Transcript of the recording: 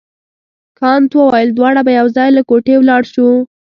کانت وویل دواړه به یو ځای له کوټې ولاړ شو.